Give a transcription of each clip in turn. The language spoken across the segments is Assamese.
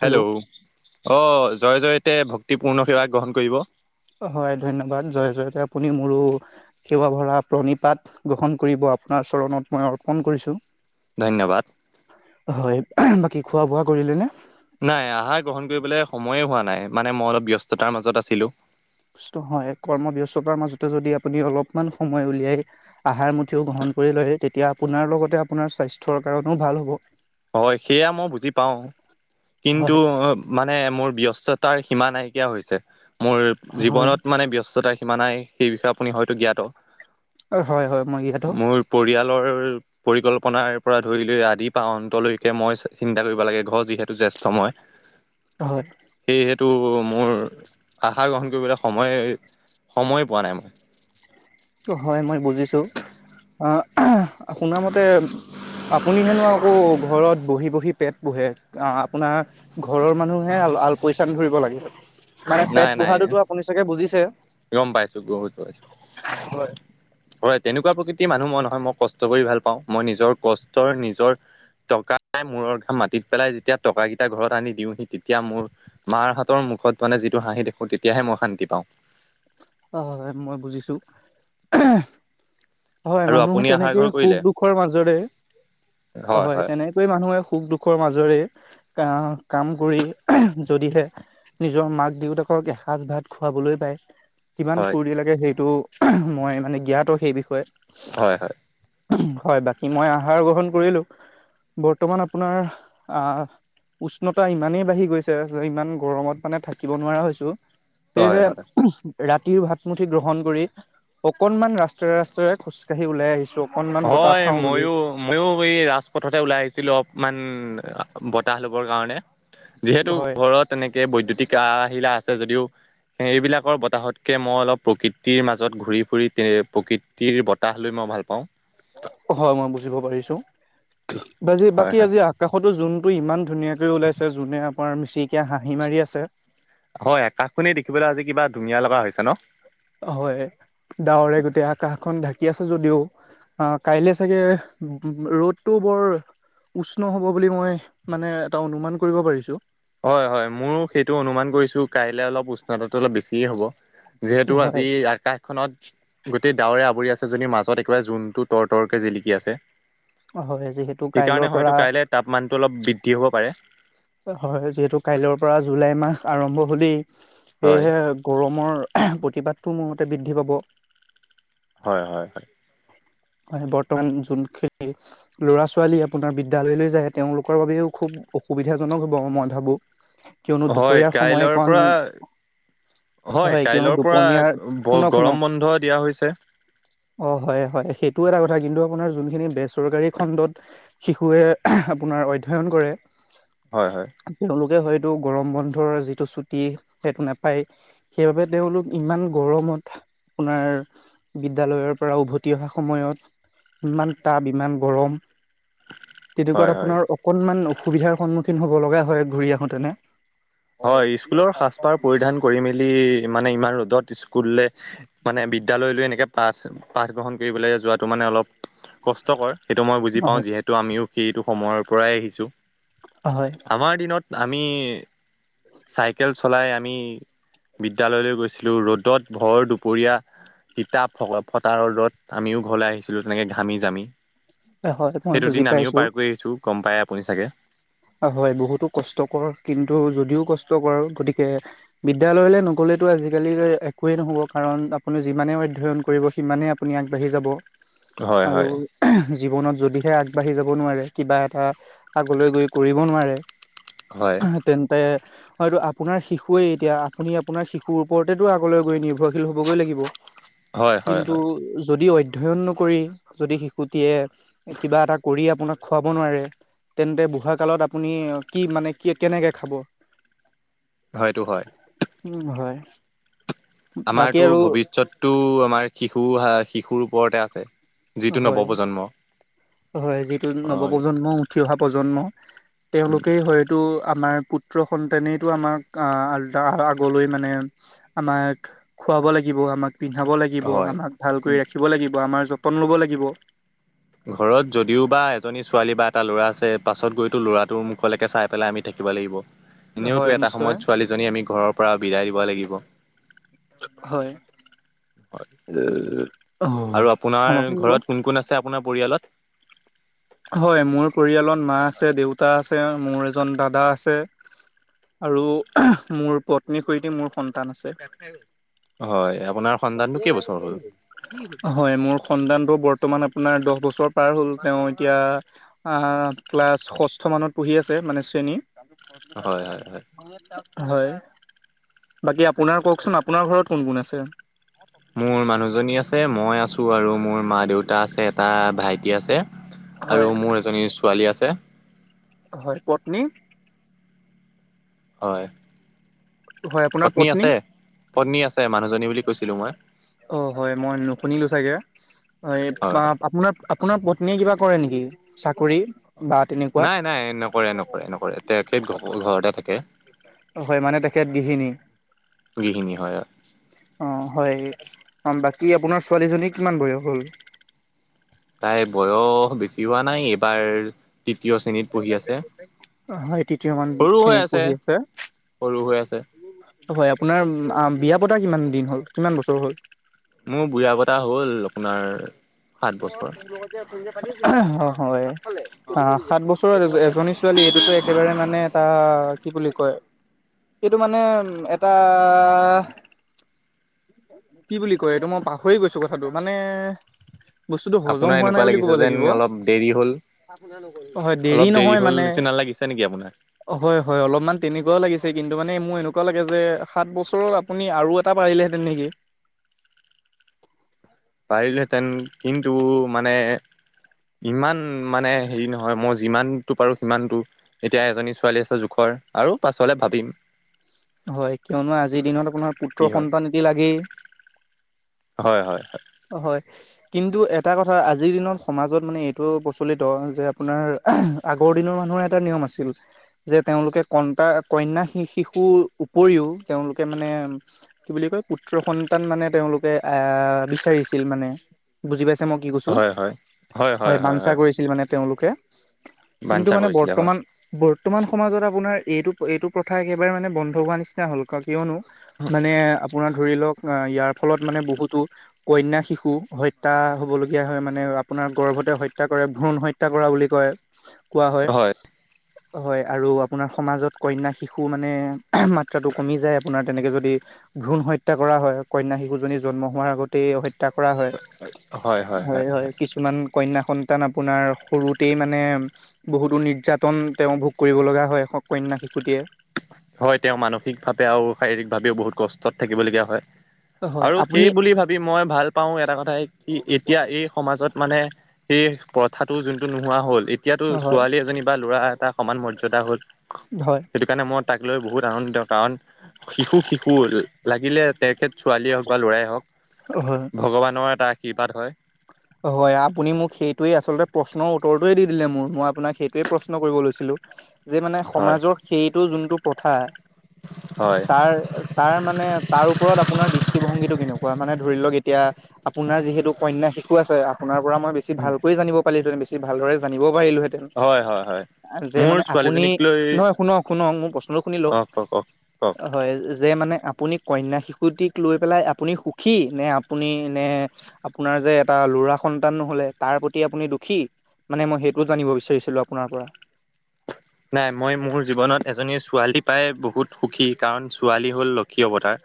হেল্ল' অ জয় জয়তে ভক্তিপূৰ্ণ সেৱা গ্ৰহণ কৰিব। হয় ধন্যবাদ, জয় জয়তে আপুনি মোৰো সেৱা ভৰা প্ৰণিপাত গ্ৰহণ কৰিব। আপোনাৰ চৰণত মই অৰ্পণ কৰিছোঁ। ধন্যবাদ। হয় বাকী খোৱা বোৱা কৰিলে নে? নাই আহাৰ গ্ৰহণ কৰিবলে সময়ে হোৱা নাই মানে মই অলপ ব্যস্ততাৰ মাজত আছিলো। হয় কৰ্মবস্ততাৰ মাজতে যদি আপুনি অলপমান সময় উলিয়াই আহাৰ মুঠিও গ্ৰহণ কৰি লয় তেতিয়া আপোনাৰ লগতে আপোনাৰ স্বাস্থ্যৰ কাৰণেও ভাল হ'ব। হয় সেয়া মই বুজি পাওঁ, কিন্তু হয় মানে মোৰ ব্যস্ততাৰ সীমা নাইকিয়া হৈছে, মোৰ হয় জীৱনত মানে ব্যস্ততাৰ সীমা নাই সেই বিষয়ে আপুনি হয়তো জ্ঞাত, হয় হয় মই ইয়াতো মোৰ পৰিয়ালৰ পৰিকল্পনাৰ পৰা ধৰি লৈ আদি পা অন্ত লৈকে মই চিন্তা কৰিব লাগে ঘৰ যিহেতু জ্যেষ্ঠ মই। হয়। তো মোৰ আহাৰ গ্ৰহণ কৰিবলে সময়ে সময়ে পোৱা নাই মই। টো হয় মই বুজিছো, আহ শুনা মতে আপুনি হেনো আকৌ ঘৰত বহি বহি পেট পোহে, আহ আপোনাৰ ঘৰৰ মানুহে আল পৈচান ধৰিব লাগে। মানে পেট নাই নাই পোহাতোটো আপুনি চাগে বুজিছে গম পাইছো বহুত পাইছো হয়। হয় তেনেকুৱা প্ৰকৃতিৰ মানুহ মই নহয়, মই কষ্ট কৰি ভাল পাওঁ, মই নিজৰ কষ্টৰ নিজৰ টকা [unintelligible] মূৰৰ ঘাম মাটিত পেলাই যেতিয়া টকাকেইটা ঘৰত আনি দিওহি তেতিয়া মোৰ মাৰ হাতৰ মুখত মানে যি হাঁহি দেখো তেতিয়াহে মই শান্তি পাওঁ হয় হয় হয় মই বুজিছো হয় আৰু মানুহ আপুনি আহাৰ তেনেকে ঘৰ সুখ কৰিলে দুখৰ মাজেৰে অ হয় তেনেকৈ মানুহে সুখ দুখৰ মাজৰে কাঁহত কাম কৰি যদিহে নিজৰ মাক-দেউতাকক এসাঁজ ভাত খুৱাবলৈ পায়। কিমান হয় ফূৰ্তি লাগে সেইটো মই মানে জ্ঞাত সেই বিষয়ে। হয়, হয়। হয়, বাকী মই আহাৰ গ্ৰহণ কৰিলোঁ বৰ্তমান আপোনাৰ অহ উষ্ণতা ইমানেই বাঢ়ি গৈছে যে ইমান গৰমত মানে থাকিব নোৱাৰা হৈছো। হয় সেয়েহে হয় ৰাতিৰ ভাতমুঠি গ্ৰহণ কৰি, অকনমান ৰাস্তাৰে, ৰাস্তাৰে খোজকাঢ়ি ওলাই আহিছোঁ। হয়, ময়ো, ময়ো এই ৰাজপথতে ওলাই আহিছিলোঁ অপ মান বতাহ ল'বৰ কাৰণে, যিহেতু হয় ঘৰত এনে বৈদ্যুতিক আহিলা আছে যদিও সেইবিলাকৰ বতাহতকে মই অলপ প্ৰকৃতিৰ মাজত ঘূৰি, ফুৰি প্ৰকৃতিৰ বতাহ লৈ মই মই ভাল পাওঁ। হয়, মই বুজিব পাৰিছোঁ। বাজি হয় বাকী হয় আজি আকাশতো জোনটো ইমান ধুনীয়া ওলাইছে, জোনে আমাৰ মিচিকিয়া হাঁহি মাৰি আছে। হয়, আকাশখনেই দেখিবলৈ আজি কিবা ধুনীয়া লগা হৈছে ন? হয়, ডাৱৰে গোটেই আকাশখন ঢাকি আছে যদিও। অ', কাইলে চাগে ৰ'দটো বৰ উষ্ণ হ'ব বুলি মই মানে এটা অনুমান কৰিব পাৰিছোঁ। হয়, হয়, মোৰ সেইটো অনুমান কৰিছোঁ কাইলৈ অলপ উষ্ণতাটো অলপ বেছিয়েই হ'ব। যিহেতু হয় আজি আকাশখনত গোটেই ডাৱৰে আৱৰি আছ মাজত একেবাৰে জোনটো তৰ, তৰকে জিলিকি আছে। হয় যিহেতু কাইলৈৰ সেইকাৰণে পৰা হয়তো কাইলে তাপমানটো অলপ বৃদ্ধি হ'ব পাৰে। হয়, যিহেতু কাইলৈৰ পৰা জুলাই মাহ আৰম্ভ হ'লেই হয় সেয়েহে গৰমৰ প্ৰতিপাদটো মোৰ মতে বৃদ্ধি পাব। হয়, হয়, হয়। হয়, বৰ্তমান যোনখিনি ল'ৰা ছোৱালী আপোনাৰ বিদ্যালয়লৈ যায় তেওঁলোকৰ বাবেও খুব অসুবিধা জনক হ'ব, মই ভাবোঁ। হয়, কাইলৈৰ পৰা হয়, কিয়নো কাইলৈৰ পৰা দুপনীয়াৰ শুনক শুনক গৰম বন্ধ দিয়া হৈছে। অ', হয়, হয় সেইটো এটা কথা কিন্তু আপোনাৰ যোনখিনি বেচৰকাৰী খণ্ডত শিশুৱে আপো নাৰ অধ্যয়ন কৰে। হয়, হয়। তেওঁলোকে হয়তো, গৰম বন্ধৰ যিটো ছুটি সেইটো নাপায়, সেইবাবে তেওঁলোক ইমান গৰম আপোনাৰ বিদ্যালয়ৰ পৰা উভতি অহা সময়ত ইমান তাব, ইমান গৰম। হয় তেনেকুৱাত হয় আপোনাৰ অকনমান অসুবিধাৰ সন্মুখীন হ'ব লগা হয়, ঘূৰি আহোতেনে হয়, ইস্কুলৰ সাজ পাৰ পৰিধান কৰি মেলি মানে ইমান ৰ'দত ইস্কুললে মানে বিদ্যালয়লৈ এনেকে পাঠ, পাঠ গ্ৰহণ কৰিব লাগে যোৱাটো মানে অলপ কষ্টকৰ সেইটো মই বুজি পাওঁ, যিহেতু আমিও সেইটো সময়ৰ পৰাই আহিছোঁ। আমাৰ দিনত আমি, চাইকেল চলাই আমি বিদ্যালয়লৈ গৈছিলোঁ, ৰ'দত ভৰ দুপৰীয়া টিতাপ ফ-ফটাৰ ৰ'দত আমিও ঘৰলৈ আহিছিলোঁ তেনেকে ঘামি, জামি হয় মই সেইটো বুজি দিন আমিও পাইছোঁ। পাৰ কৰি আহিছোঁ, গম পাই আপুনি চাগে। হয়, বহুতো কষ্টকৰ, কিন্তু যদিও কষ্টকৰ গতিকে বিদ্যালয়লৈ নগ'লে টো, আজিকালি একোৱে নহ'ব কাৰণ আপুনি যিমানে অধ্যয়ন কৰিব, সিমানেই আপুনি আগবাঢ়ি যাব। হয় আৰু হয় জীৱনত যদিহে আগবাঢ়ি যাব নোৱাৰে, কিবা এটা আগলৈ গৈ কৰিব নোৱাৰে, হয় তেন্তে হয়তটো আপোনাৰ শিশুৱে এতিয়া আপুনি আপোনাৰিশুৰ ওপৰতেতটো আগলৈ গৈ নিৰ্ভৰ হবগৈ লাগিব হয় হয় কিন্তু হয় যদি অধ্যয় অধ্যয়ন নকৰি যদি শিশুটিয়ে কিবা এটা কৰি আপোনাক খুৱাব নোৱাৰে তেন্তে বুঢ়া কালত আপুনি কি মানে কি কেনেকে খাব হয়টো হয় উম হয় বাকী আমাৰতো আৰু ভৱিষ্যতটো আমাৰ শিশু শিশুৰ ওপৰতে আছে যিটো হয় নৱপ্ৰজন্ম হয় যিটো হয় নৱপ্ৰজন্ম উঠি অহা প্ৰজন্ম তেওঁলোকেই হয়তো আমাৰ পুত্ৰ সন্তানেইতো আমাক আলা আগলৈ মানে আমাক খুৱাব লাগিব আমাক পিন্ধাব লাগিব হয় আমাক ভাল কৰি ৰাখিব লাগিব আমাৰ যতন লব লাগিব ঘৰত যদিও বা এজনী ছোৱালী বা এটা ল'ৰা আছে পাছত গৈতো ল'ৰাটোৰ মুখলৈকে চাই পেলাই আমি থাকি থ লাগিব হয় এনেওতো এটা নিশ্চয় সময়ত ছোৱালীজনী আমি ঘৰৰ পৰা বিদায় দিব লাগিব হয় হয় উ আহ আৰু আপোনাৰ ক্ষমা ঘৰত কোন কৰিবিব কোন আছে আপোনাৰ পৰিয়ালত হয় মোৰ পৰিয়ালত মা আছে দেউতা আছে মোৰ এজন দাদা আছে আৰু মোৰ পত্নীৰ সৈতে মোৰ সন্তান আছে হয় আপোনাৰ সন্তানটো কেইবছৰ হ'ল হয় মোৰ সন্ন্তানটো বৰ্তমান বৰ্তমান আপোনাৰ দহ বছৰ পাৰ হ'ল তেওঁ এতিয়া ক্লাছ ষষ্ঠ মানত পঢ়ি আছে মানে শ্ৰেণী হয় হয় হয় [unintelligible] হয় বাকী আপোনাৰ কওকচোন আপোনাৰ ঘৰত কোন কোন আছে মোৰ মানুহজনী আছে [unintelligible] ছোৱালী হয় আছে [inaudible] হয় পত্নী [inaudible] হয় হয় আপোনাৰ পত্নী পত্নী আছে মানুহজনী বুলি কৈছিলো মই অ হয় মই নুশুনিলো ছাগে হয় হয় আপোনাৰ আপোনাৰ পত্নীয়ে কিবা কৰে নেকি চাকৰি বা তেনেকুৱা নাই নাই নকৰে নকৰে নকৰে তেখেত ঘ ঘৰতে থাকে [inaudible] হয় মানে তেখেত গৃহিণী গৃহিনি হয় [inaudible] অ হয় অ বাকী আপোনাৰ ছোৱালীজনী কিমান বয়স হ'ল [inaudible] তাই বয়স বেছি হোৱা নাই এইবাৰ তৃতীয় শ্ৰেণীত পঢ়ি আছে হয় তৃতীয় মান সৰু হৈ শ্ৰেণীত পঢ়ি আছে সৰু হৈ আছে [inaudible] হয় আপোনাৰ বিয়া পতা কিমান দিন হ'ল কিমান বছৰ হ'ল মোৰ বিয়া পতা হ'ল আপোনাৰ সাত বছৰ হয় সাত বছৰ ও এজনী ছোৱালী এইটোতো একেবাৰে মানে এটা কি বুলি কয় এইটো মানে এটা কি বুলি কয় এইটো মই পাহৰি গৈছো কথাটো মানে [inaudible] বস্তুতটো হজম আপোনাৰ হোৱা নাই এনেকুৱা বুলি কব লাগিছে যেন লাগিব অলপ দেৰি হ'ল [inaudible] হয় দেৰি অলপ নহয় হ'ল মানে নিচিনা লাগিছে নেকি আপোনাৰ [inaudible] হয় হয় অলপমান তেনেকুৱা লাগিছে কিন্তু মানে মোৰ এনেকুৱা লাগে যে সাত বছৰত আপুনি আৰু এটা পাৰিলেহে নেকি [inaudible] পাৰিলোহেঁতেন কিন্তু মানে ইমান মানে হেৰি নহয় মই যিমানতটো পাৰো সিমানতটো এতিয়া এজনী ছোৱালী আছে জোখত আৰু পাছলে ভাবিম হয়, কিয়নো আজিৰ দিনত আপোনাৰ কি পুত্ৰৰ হয় সন্তান এটি লাগেই। হয়-হয়-হয়। হয় কিন্তু এটা কথা আজিৰ দিনত সমাজত মানে এইটো প্ৰচলিত যে আপোনাৰ আগৰ দিনৰ মানুহৰ এটা নিয়ম আছিল। যে তেওঁলোকে কোণতা কন্যা শিশুৰ উপৰিও তেওঁলোকে মানে কি বুলি পুত্ৰ সন্তান মানে তেওঁলোকে আহ বিচাৰিছিল মানে বুজি পায় চে মই কি কৈছো হয়, বানছা কৰিছিল মানে তেওঁলোকে। কিন্তু বাঞ্ছা মানে কৰিছিলে হয় বৰ্তমান বৰ বৰ্তমান সমাজত আপোনাৰ এইটো এইটো প্ৰথা একেবাৰে মানে বন্ধ হোৱা নিচিনা হ'ল, ক কিয়নো মানে আপোনাৰ ধৰি লওক আহ ইয়াৰ ফলত মানে বহুতো কন্যা শিশু হত্যা হ'বলগীয়া হয় মানে আপোনাৰ গৰ্ভতে হত্যা কৰে ভ্ৰণ হত্যা কৰা বুলি কয়। কোৱা হয়। হয় আৰু আপোনাৰ সমাজত কন্যা শিশু মানে মাত্ৰাটো কমি যায় আপোনাৰ তেনেকে যদি ভ্ৰুণ হত্যা কৰা হয় কন্যা শিশুজনী জন্ম হোৱাৰ আগতে হত্যা কৰা হয় হয় হয় হয়-হয়-হয় কিছুমান কন্যা টান আপোনাৰ সৰুতেই মানে বহুতো নিৰ্যাতন তেওঁ ভোগ কৰিব লগা হয় কন্যা। সুটিয়ে হয় তেওঁ মানসিকভাৱে আৰু শাৰীৰিক ভাৱেও বহুত কষ্টত থাকিবলগীয়া হয় হয় আৰু আপুনি সেই বুলি ভাবি মই ভাল পাওঁ এটা কথাই কি এতিয়া এই সমাজত মানে সেই প্ৰথাটো যোনটো নোহোৱা হ'ল এতিয়াতো হয় ছোৱালী এজনী বা ল'ৰা এটা সমান মৰ্যদা হ'ল হয় সেইকাৰণে মই তাক লৈ বহুত আনন্দিত কাৰণ শিশু শিশু লাগিলে তেখেত ছোৱালীয়ে হওঁক বা লৰাই হওঁক হয় ভগৱানৰ এটা আশীৰ্বাদ হয় হয় আপুনি মোক সেইটোৱে আচলতে প্ৰশ্নৰ উত্তৰটোৱে দি দিলে মোৰ মই আপোনাক সেইটোৱে প্ৰশ্ন কৰিব লৈছিলো যে মানে হয় সমাজৰ সেইটো যোনটো প্ৰথা হয় তাৰ তাৰ মানে তাৰ ওপৰত আপোনাৰ দৃষ্টিভংগীটো কেনেও কোৱা মানে ধৰি লওক এতিয়া আপোনাৰ যিহেতু কন্যা শিশু আছে আপোনাৰ পৰা মই বেছি ভালকৈ জানিব পালি সেইটো বেছি ভালদৰে জানিব পাৰিলোহেঁতেন হয় হয় হয় যে মোৰ মানে আপুনি ছোৱালীজনীক লৈ নহয় শুনক শুনক মোৰ প্ৰশ্নটো শুনি লওক অ কওক কওক কওক হয় যে মানে আপুনি কন্যা শিশুটিক লৈ পেলাই আপুনি সুখী নে আপুনি নে আপোনাৰ যে এটা ল'ৰা সন্তান নহলে তাৰ প্ৰতি আপুনি দুখী মানে মই সেইটো জানিব বিচাৰিছিলো আপোনাৰ পৰা [inaudible] নাই মই মোৰ জীৱনত এজনী ছোৱালী পাই বহুত সুখী কাৰণ ছোৱালী হ'ল লক্ষী অৱতাৰ।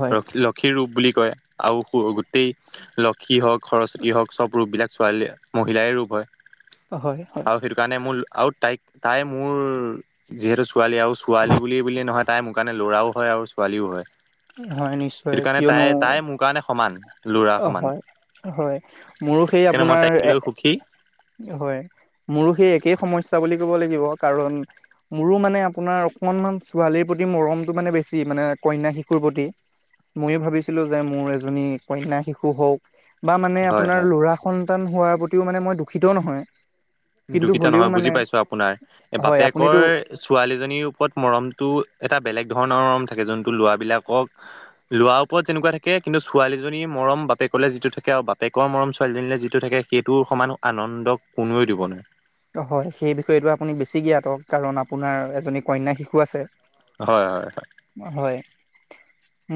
হয় লক্ষী লক্ষীৰ ৰূপ বুলি কয়। আৰু গোটেই লক্ষী হওঁক সৰস্বতী হওঁক চব ৰূপ বিলাক ছোৱালীয়ে মহিলাই ৰূপ হয়। হয় হয় আৰু সেইটো কাৰণে মোৰ আৰু তাইক তাই মোৰ যিহেতু ছোৱালী আৰু ছোৱালী বুলি বুলিয়ে নহয় তাই মোৰ কাৰণে ল'ৰাও হয় আৰু ছোৱালীও হয়। হয় নিশ্চয় সেইটো কাৰণে কিয়নো তাই তাই মোৰ কাৰণে সমান ল'ৰা অ সমান হয় হয়। মোৰ সেই সেইকাৰণে মই আপোনাৰ তাইক এ লৈ সুখী হয় মোৰ সেই একেই সমস্যা বুলি ক'ব লাগিব, কাৰণ মোৰো মানে আপোনাৰ অকনমান ছোৱালীৰ প্ৰতি মৰমটো মানে বেছি মানে কন্যা শি শিশুৰ প্ৰতি ময়ো ভাবিছিলো যে মোৰ এজনী কন্যা শিশু হওক। বা মানে হয় আপোনাৰ হয় লৰা সন্তান হোৱাৰ প্ৰতিও মানে মই দুখিত নহয়। কিন্তু দুখিতা হ'লেও নহয় বুজি মানে পাইছো আপোনাৰ এ হয় বাপেকৰ আপুনিতো ছোৱালীজনীৰ ওপৰত মৰমটো এটা বেলেগ ধৰণৰ থাকে যোনটো ল'ৰা বিলাকক লৰাৰ ওপৰত যেনেকুৱা থাকে কিন্তু ছোৱালীজনী মৰম বাপেকলে যিটো থাকে বাপেকৰ মৰম ছোৱালীজনীলৈ যিটো থাকে সেইটো সমান আনন্দ কোনোৱে দিব নোৱাৰে। হয় সেই বিষয়েটো আপুনি বেছি জ্ঞাতক কাৰণ আপোনাৰ এজনী কন্যা শিশু আছে। হয় হয় হয়। হয়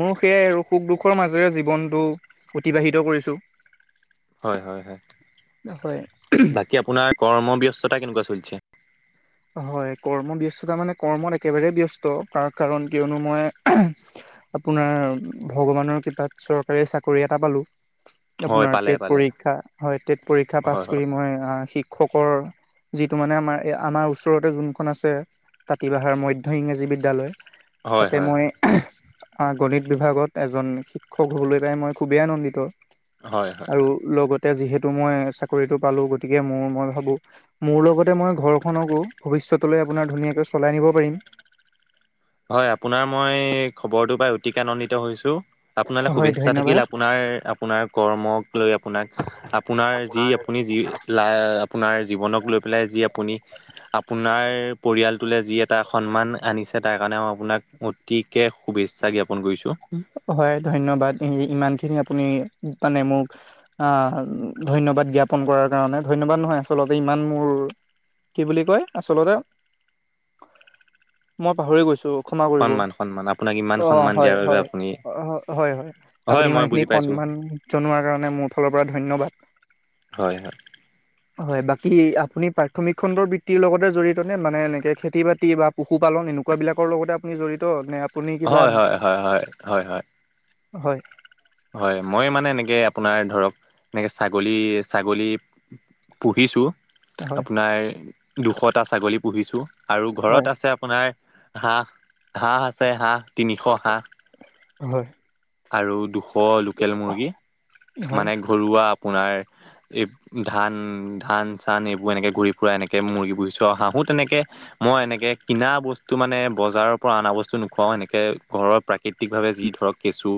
মোৰ সেয়াই আৰু সুখ দুখৰ মাজেৰে জীৱনটো অতিবাহিত কৰিছো। হয়, হয়, হয়, হয় বাকী আপোনাৰ কৰ্মব্যস্ততা কেনেকুৱা চলিছে? হয় কৰ্ম ব্যস্ততা মানে কৰ্মত একেবাৰে ব্যস্ত তাৰ কাৰণ কিয়নো মই আপোনাৰ ভগৱানৰ কৃপাত চৰকাৰী চাকৰি এটা পালো। হয় আপোনাৰ পালে টেট পালে পৰীক্ষা হয় টেট পৰীক্ষা পাছ হয় হয়। কৰি মই শিক শ্ষকৰ যিটো মানে আমাৰ আমাৰ [unintelligible] ওচৰতে যোনখন আছে কাতিবাহাৰ মধ্য ইংৰাজী বিদ্যালয় হয় তাতে হয় মই আহ আ গণিত বিভাগত এজন শিক্ষক হ'বলৈ পাই মই খুবেই আনন্দিত। হয় হয় হয় আৰু লগতে যিহেতু মই চাকৰিতটো পালো গতিকে মোৰ মই ভাবো মোৰ লগতে মই ঘৰখনকো ভৱিষ্যতলৈ আপোনাৰ ধুনীয়াকৈ চলাই নিব পাৰিম। হয় আপোনাৰ মই খবৰটো পাই অতিকে আনন্দিত হৈছোঁ। আপোনালৈ হয় শুভেচ্ছা থাকিল ধন্যবাদ আপোনাৰ আপোনাৰ কৰ্মক। লৈ আপোনাক আপোনাৰ যি আপুনি যি লা জীৱনক লৈ পেলাই যি আপুনি, আপোনাৰ পৰিয়ালটোলৈ যি এটা সন্মান আনিছে। তাৰ কাৰণে অ, আপোনাক অতিকৈ শুভেচ্ছা জ্ঞাপন কৰিছোঁ। হয়। ধন্যবাদ, সি ইমানখিনি আপুনি মানে, মোক আহ ধন্যবাদ জ্ঞাপন কৰা। এই কাৰণে ধন্যবাদ নহয়, আচলতে ইমান মোৰ কি বুলি কয় আচলৰে। মই পাহৰি গৈছ, ক্ষমা কৰিব, সন্মান সন্মান আপোনাক ইমান অ', সন্মান দিয়াৰ বাবে হয়-হয়। অ', আপুনি হয়-হয় হয় আপুনি মই ইমানখিনি বুজি পাইছোঁ সন্মান জনোৱাৰ কাৰণে, মোৰ ফালৰ পৰা ধন্যবাদ। হয়-হয়। হয়, বাকী আপুনি প্ৰাথমিক খণ্ডৰ বৃত্তিৰ লগতে জড়িত নে, মানে এনেকে খেতি বাতি বা পশুপালন। কিতাপ বিলাকৰ লগতে আপুনি জড়িত নে আপ হয়-হয়-হয়-হয়-হয়-হয়। হয়। হয়, মই মানে, এনেকে আপোনাৰ ধৰক, এনেকে ছাগলী, ছাগলী। পঢ়িছো। হয় আপোনাৰ দুশটা ছাগলী পুহিছোঁ আৰু ঘৰত হয় আছে, আপোনাৰ। হাঁহ-হাঁহ আছে, হাঁহ তিনিশ হাঁহ। হয়। আৰু দুশ লোকেল মুৰ্গী, হয় মানে ঘৰুৱা আপোনাৰ। এই, ধান-ধান, চান এইবোৰ এনেকে ঘূৰি ফুৰা এনেকে মুৰ্গী পুহিছো আৰু হাঁহো তেনেকে। মই, এনেকে কিনা বস্তু মানে, বজাৰৰ পৰা অনা বস্তু নোখোও এনেকে, ঘৰৰ প্ৰাকৃতিক ভাৱে ধৰক। কেঁছু।